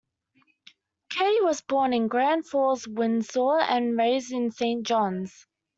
Coady was born in Grand Falls-Windsor and raised in Saint John's.